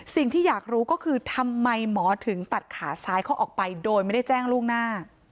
สิ่งที่อยากรู้ก็คือทำไมหมอถึงตัดขาซ้ายเขาออกไปโดยไม่ได้แจ้งล่วงหน้า